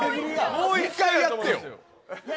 もう１回やってよ。